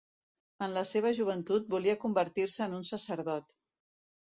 En la seva joventut, volia convertir-se en un sacerdot.